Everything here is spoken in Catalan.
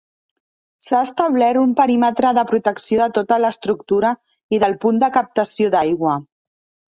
S'ha establert un perímetre de protecció de tota l'estructura i del punt de captació d'aigua.